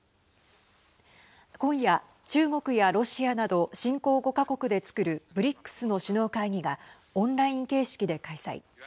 今夜、中国やロシアなど新興５か国でつくるＢＲＩＣＳの首脳会議がオンライン形式で開催。